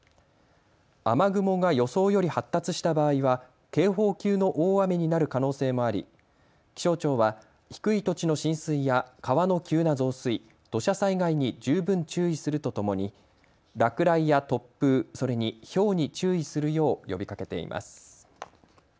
雨雲が予想より発達した場合は警報級の大雨になる可能性もあり、気象庁は低い土地の浸水や川の急な増水、土砂災害に十分注意するとともに落雷や突風、それにひょうに注意するよう呼びかけています。